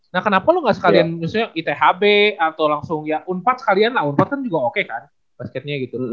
nah kenapa lu gak sekalian misalnya ithb atau langsung ya unpad sekalian nah unpad kan juga oke kan basketnya gitu